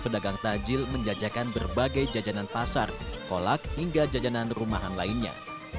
pedagang takjil menjajakan berbagai jajanan pasar kolak hingga jajanan rumahan lainnya